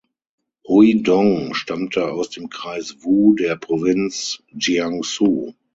Hui Dong stammte aus dem Kreis Wu der Provinz Jiangsu.